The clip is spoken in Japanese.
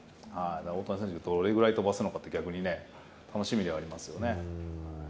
大谷選手、どれぐらい飛ばすのかって、逆にね、楽しみではありますよね。